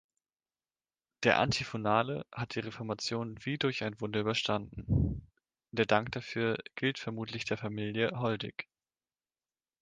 Der Antiphonale hat die Reformation wie durch ein Wunder überstanden. Der Dank dafür gilt vermutlich der Familie Holdych.